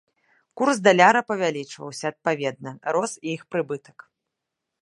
Курс даляра павялічваўся, адпаведна, рос і іх прыбытак.